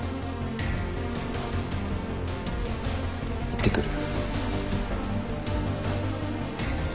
行ってくる。